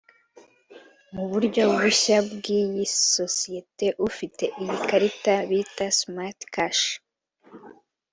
Mu buryo bushya bw’iyi sosiyete ufite iyi karita bita ‘Smartcash’